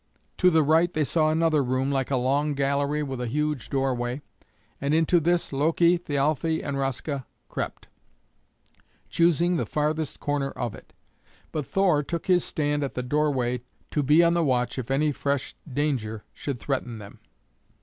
To the right they saw another room like a long gallery with a huge doorway, and into this Loki, Thialfe, and Raska crept, choosing the farthest corner of it; but Thor took his stand at the doorway to be on the watch if any fresh danger should threaten them.